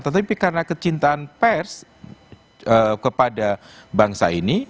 tetapi karena kecintaan pers kepada bangsa ini